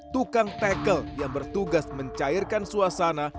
tukang tekel yang bertugas mencairkan suasana